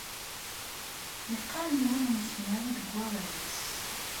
Yeqqar yiwen umusnaw deg wawal-is.